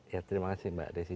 ya terima kasih mbak desi